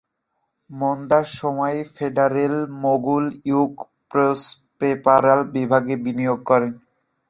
মন্দার সময়, Federal Mogul Equi Poise propeller বিভাগে বিনিয়োগ করে।